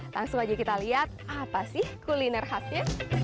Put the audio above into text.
langsung aja kita lihat apa sih kuliner khasnya